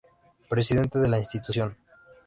Presidente de la institución.